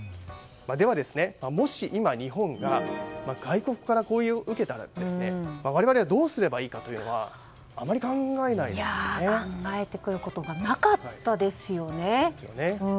では、もし今日本が外国から攻撃を受けたら我々はどうすればいいかというのは考えたことがなかったですよね。